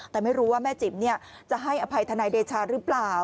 แต่ไม่รู้ว่าแม่จิ๋มจะให้อภัยทนายเดชาหรือเปล่า